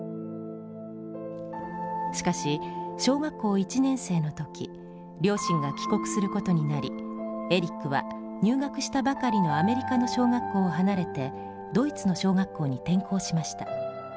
しかし小学校１年生の時両親が帰国することになりエリックは入学したばかりのアメリカの小学校を離れてドイツの小学校に転校しました。